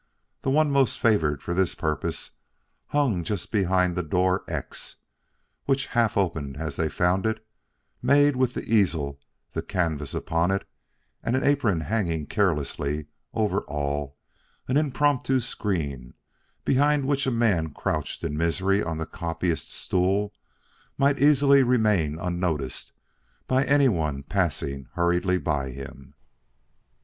The one most favored for this purpose hung just behind the door "X," which, half open as they found it, made with the easel, the canvas upon it and an apron hanging carelessly over all, an impromptu screen behind which a man crouched in misery on the copyist's stool might easily remain unnoticed by anyone passing hurriedly by him.